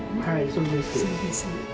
そうです。